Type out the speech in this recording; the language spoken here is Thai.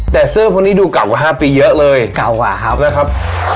แต่เสื้อคนนี้ดูเก่ากว่า๕ปีเยอะเลยเก่ากว่าครับนะครับ